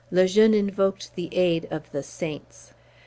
Le Jeune invoked the aid of the Saints.